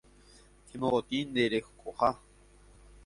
Emopotĩ nde rekoha